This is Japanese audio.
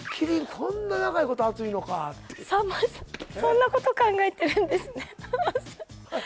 こんな長いこと熱いのかってさんまさんそんなこと考えてるんですね